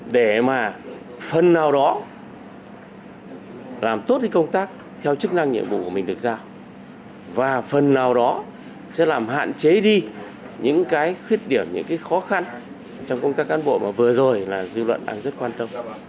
để mà phần nào đó làm tốt cái công tác theo chức năng nhiệm vụ của mình được giao và phần nào đó sẽ làm hạn chế đi những cái khuyết điểm những cái khó khăn trong công tác cán bộ mà vừa rồi là dư luận đang rất quan tâm